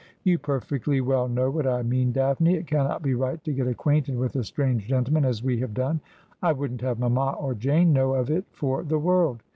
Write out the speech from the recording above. ' You perfectly well know what I mean, Daphne. It cannot be right to get acquainted with a strange gentleman as we have done. I wouldn't have mamma or Jane know of it for the world.'